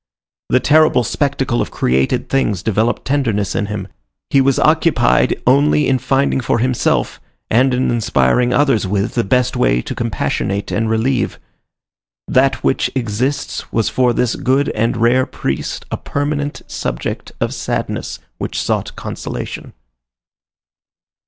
The terrible spectacle of created things developed tenderness in him; he was occupied only in finding for himself, and in inspiring others with the best way to compassionate and relieve. That which exists was for this good and rare priest a permanent subject of sadness which sought consolation.